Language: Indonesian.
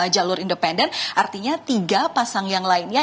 jalur independen artinya tiga pasang yang lainnya